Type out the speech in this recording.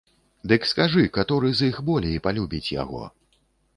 Дык скажы, каторы з іх болей палюбіць яго?